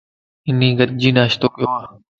ھني گڏجي ناشتو ڪيو